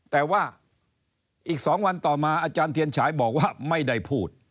แต่ว่าอีก๒วันต่อมาอาจารย์เทียนฉายบอกว่าไม่ได้พูด